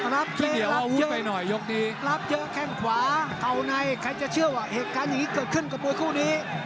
เยอะไปหน่อยยกนี้รับเยอะแข้งขวาเข้าในใครจะเชื่อว่าเหตุการณ์อย่างนี้เกิดขึ้นกับมวยคู่นี้